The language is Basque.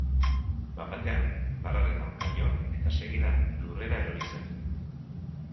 Bat-batean, barraren aurka jo, eta segidan, lurrera erori zen.